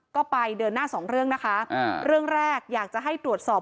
ก็ไปเดินหน้าสองเรื่องนะคะอ่าเรื่องแรกอยากจะให้ตรวจสอบ